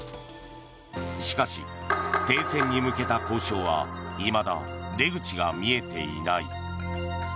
しかし、停戦に向けた交渉はいまだ出口が見えていない。